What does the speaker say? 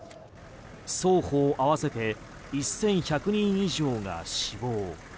双方合わせて１１００人以上が死亡。